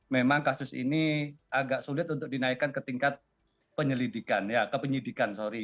memang kasus ini agak sulit untuk dinaikkan ke tingkat penyelidikan ya ke penyidikan sorry